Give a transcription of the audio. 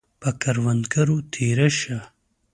پۀ کروندو تیره شه